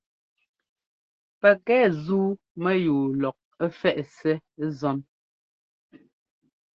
Pɛkɛ zúu mɛyúu lɔk ɛ́fɛꞌ Ssɛ́ zɔ́n.